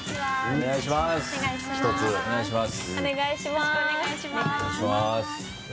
お願いします。